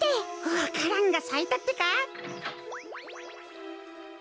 わか蘭がさいたってか。